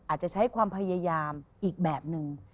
อาจจะใช้ความพยายามอีกแบบนึง